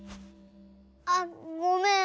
あっごめん